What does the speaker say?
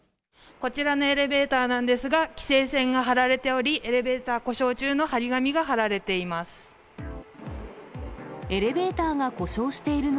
こちらのエレベーターなんですが、規制線が張られており、エレベーター故障中の貼り紙が貼られています。